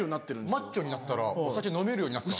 マッチョになったらお酒飲めるようになったんです。